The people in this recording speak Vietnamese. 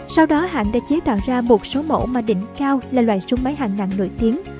sau đó hãng đã chế tạo ra một số mẫu mà đỉnh cao là loại súng máy hàng nặng nổi tiếng